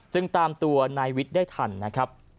ตามตัวนายวิทย์ได้ทันนะครับ